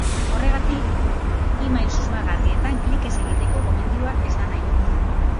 Horregatik, email susmagarrietan klik ez egiteko gomendioa ez da nahikoa.